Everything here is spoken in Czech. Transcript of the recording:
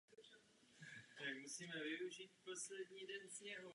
Obec patřila v minulosti k hornolukavickému panství.